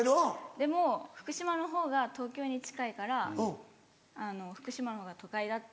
でも福島のほうが東京に近いから福島のほうが都会だっていう。